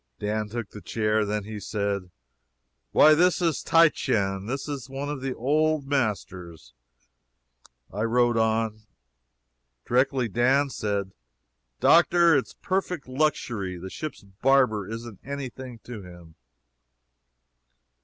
Dan took the chair. Then he said: "Why this is Titian. This is one of the old masters." I wrote on. Directly Dan said: "Doctor, it is perfect luxury. The ship's barber isn't any thing to him."